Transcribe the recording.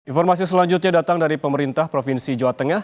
informasi selanjutnya datang dari pemerintah provinsi jawa tengah